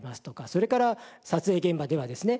それから撮影現場ではですね